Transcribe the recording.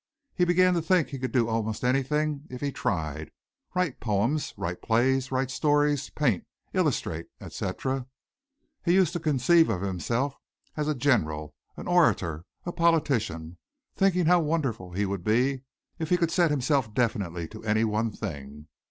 He began to think he could do almost anything if he tried write poems, write plays, write stories, paint, illustrate, etc. He used to conceive of himself as a general, an orator, a politician thinking how wonderful he would be if he could set himself definitely to any one thing.